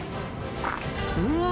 うん！